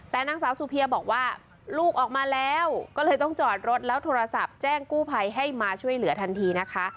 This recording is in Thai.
แต่นางสาวสุเพียบอกว่าลูกออกมาแล้วก็เลยต้องจอดรถแล้วโทรศัพท์แจ้งกู้ภัยให้มาช่วยเหลือทันทีนะคะ